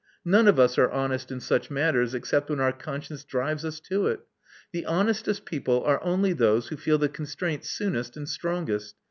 None of us are honest in such matters except when our conscience drives us to it. The honestest people are only those who feel the constraint soonest and strongest.